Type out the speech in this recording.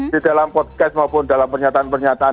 di dalam podcast maupun dalam pernyataan pernyataan